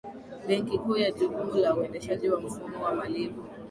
benki kuu ina jukumu la uendeshaji wa mfumo wa malipo